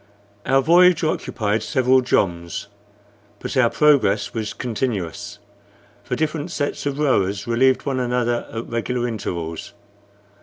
Our voyage occupied several joms; but our progress was continuous, for different sets of rowers relieved one another at regular intervals.